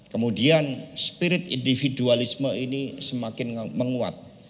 kemudian spirit individualisme ini semakin menguat